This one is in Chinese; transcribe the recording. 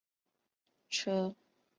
车身采用了铝合金双皮层构造。